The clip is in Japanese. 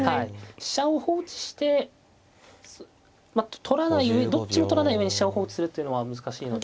飛車を放置してまあどっちも取らない上に飛車を放置するっていうのは難しいので。